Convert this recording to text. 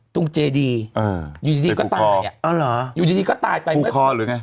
ตรงเจดีอืมอยู่ดีดีก็ตายอ่ะอ๋อเหรออยู่ดีดีก็ตายไปภูกคอหรือไง